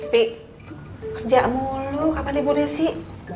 pi kerja mulu kapan liburan ya sih